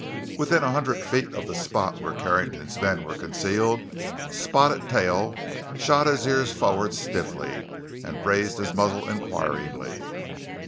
Within a hundred feet of the spot where Carrington's men were concealed, Spotted Tail shot his ears forward stiffly and raised his muzzle inquiringly.